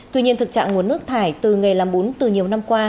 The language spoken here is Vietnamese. tuy nhiên thực trạng nguồn nước thải từ nghề làm bún từ nhiều năm qua